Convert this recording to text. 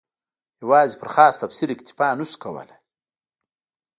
یوازې پر خاص تفسیر اکتفا نه شو کولای.